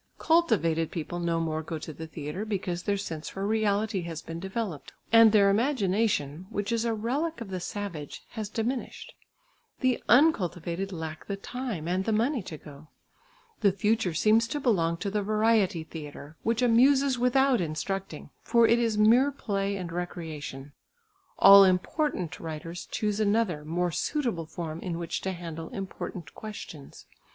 Cultivated people no more go to the theatre because their sense for reality has been developed, and their imagination which is a relic of the savage has diminished; the uncultivated lack the time, and the money to go. The future seems to belong to the variety theatre, which amuses without instructing, for it is mere play and recreation. All important writers choose another, more suitable form in which to handle important questions.